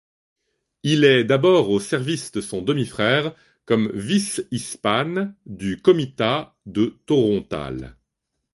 Il est d'abord au service de son demi-frère, comme vice-ispán du comitat de Torontál.